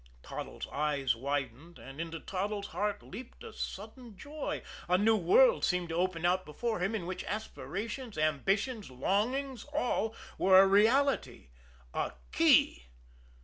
Toddles' eyes widened, and into Toddles' heart leaped a sudden joy. A new world seemed to open out before him in which aspirations, ambitions, longings all were a reality. A key!